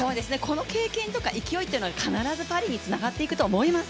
この経験とか、勢いは必ずパリにつながっていくと思います。